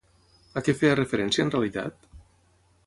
A què feia referència en realitat?